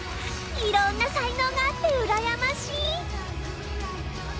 いろんな才能があって羨ましい！